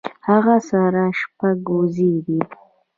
هغۀ سره شپږ وزې دي